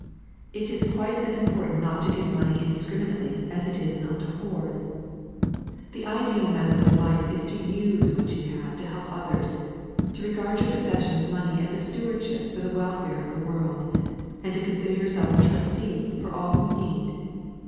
It is quite as important not to give money indis criminately as it is not to hoard. The ideal method of life is to use what you have to help others, to regard your possession of money as a stewaj^hip for the welfare of the the world, and to consider yourself a trustee for all who need.